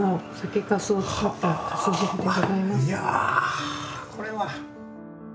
いやこれは。